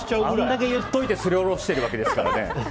あれだけ言っておいてすりおろしてるわけですからね。